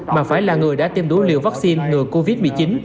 mà phải là người đã tiêm đủ liều vaccine ngừa covid một mươi chín